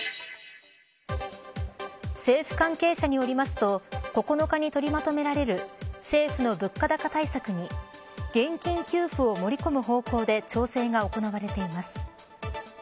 政府関係者によりますと９日に取りまとめられる政府の物価高対策に現金給付を盛り込む方向で調整が行われています。